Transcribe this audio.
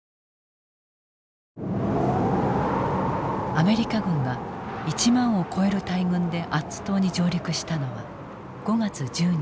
アメリカ軍が１万を超える大軍でアッツ島に上陸したのは５月１２日。